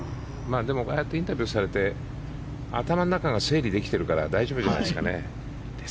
ああやってインタビューされて頭の中が整理できてるから大丈夫じゃないですかね。